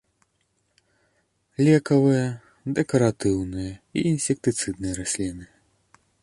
Лекавыя, дэкаратыўныя і інсектыцыдныя расліны.